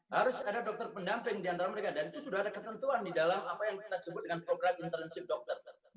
harus ada dokter pendamping di antara mereka dan itu sudah ada ketentuan di dalam apa yang mereka sebut dengan program internship dokter